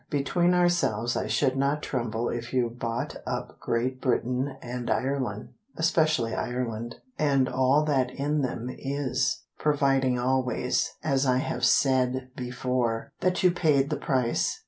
Between ourselves I should not tremble If you bought up Great Britain and Ireland (especially Ireland), And all that in them is, Providing always, as I have said before, That you paid the price.